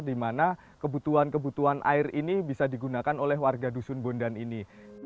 di mana kebutuhan kebutuhan air ini bisa digunakan oleh warga dusun bondan ini